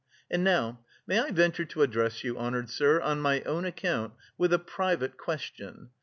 And now may I venture to address you, honoured sir, on my own account with a private question.